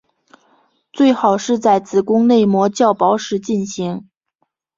最好是在子宫内膜较薄时进行。